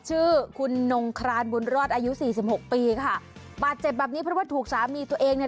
ชื่อคุณนงครานบุญรอดอายุสี่สิบหกปีค่ะบาดเจ็บแบบนี้เพราะว่าถูกสามีตัวเองเนี่ย